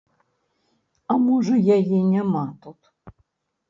А можа, яе няма тут?